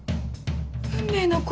運命の恋。